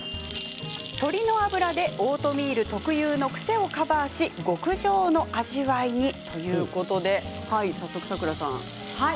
鶏の脂でオートミール特有の癖をカバーし極上の味わいにということなんですけれどさくらさん。